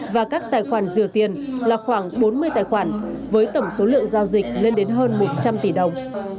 và các tài khoản rửa tiền là khoảng bốn mươi tài khoản với tổng số lượng giao dịch lên đến hơn một trăm linh tỷ đồng